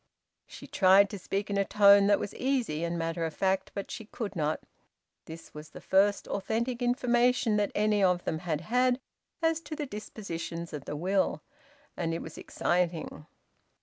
She tried to speak in a tone that was easy and matter of fact. But she could not. This was the first authentic information that any of them had had as to the dispositions of the will, and it was exciting.